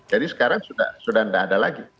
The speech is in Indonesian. jadi sekarang sudah tidak ada lagi